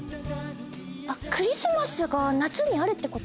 あっクリスマスが夏にあるってこと？